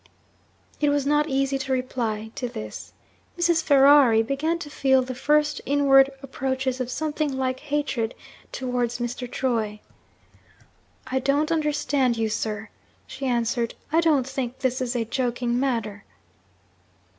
It was not easy to reply to this. Mrs. Ferrari began to feel the first inward approaches of something like hatred towards Mr. Troy. 'I don't understand you, sir,' she answered. 'I don't think this is a joking matter.'